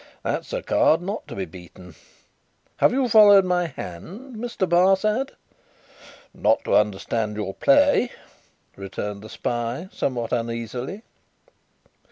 That's a card not to be beaten. Have you followed my hand, Mr. Barsad?" "Not to understand your play," returned the spy, somewhat uneasily.